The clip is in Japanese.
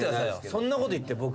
そんなこと言って僕。